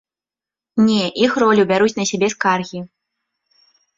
Не, іх ролю бяруць на сябе скаргі.